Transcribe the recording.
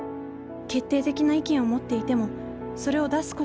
決定的な意見を持っていてもそれを出すことができない。